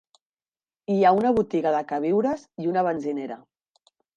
Hi ha una botiga de queviures i una benzinera.